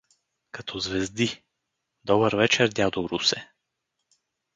Като звезди… — Добър вечер, дядо Русе!